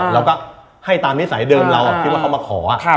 เราก็ให้ตามนิสัยเดิมเราที่ว่าเขามาขอ